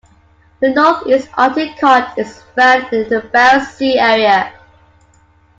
The Northeast Arctic cod is found in the Barents Sea area.